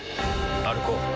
歩こう。